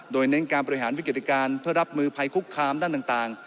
โดยเน้นการบริหารวิกฤตการณ์เพื่อรับมือภัยคุกคามด้านต่าง